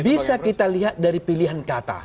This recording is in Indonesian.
bisa kita lihat dari pilihan kata